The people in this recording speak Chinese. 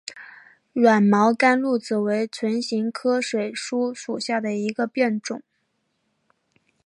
软毛甘露子为唇形科水苏属下的一个变种。